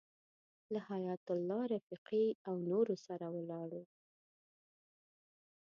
له حیایت الله رفیقي او نورو سره ولاړو.